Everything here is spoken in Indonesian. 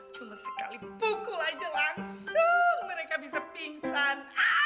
cuma sekali pukul aja langsung mereka bisa pingsan